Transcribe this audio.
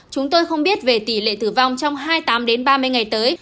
chúng tôi không biết về tỷ lệ tử vong trong hai mươi tám đến ba mươi ngày tới